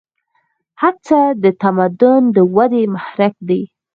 هڅه د تمدن د ودې محرک ده.